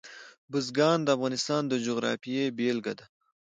بزګان د افغانستان د جغرافیې بېلګه ده.